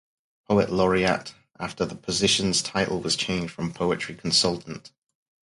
Poet Laureate after the position's title was changed from Poetry Consultant.